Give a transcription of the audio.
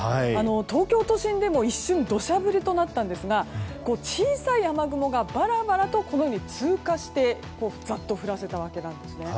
東京都心でも一瞬土砂降りとなったんですが小さい雨雲がバラバラと通過してざっと降らせたわけなんです。